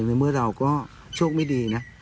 ในเมื่อเราก็โชคไม่ดีนะ